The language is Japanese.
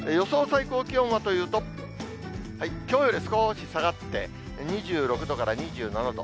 最高気温はというと、きょうより少し下がって、２６度から２７度。